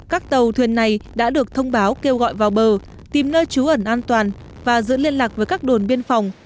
các tàu thuyền này đã được thông báo kêu gọi vào bờ tìm nơi trú ẩn an toàn và giữ liên lạc với các đồn biên phòng